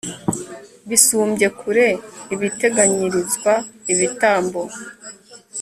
bisumbye kure ibiteganyirizwa ibitambo